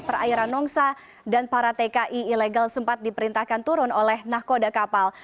perairan nongsa dan para tki ilegal sempat diperintahkan turun oleh nahkoda kapal